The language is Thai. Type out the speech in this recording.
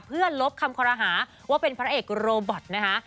เพื่อลบคำคอรหาว่าเป็นพระเอกโรบอตนะคะ